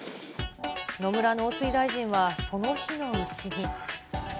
野村農水大臣はその日のうちに。